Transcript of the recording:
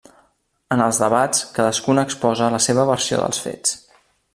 En els debats, cadascuna exposa la seva versió dels fets.